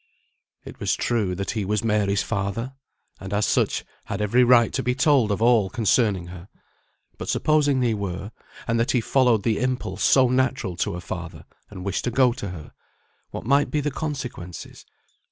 It was true that he was Mary's father, and as such had every right to be told of all concerning her; but supposing he were, and that he followed the impulse so natural to a father, and wished to go to her, what might be the consequences?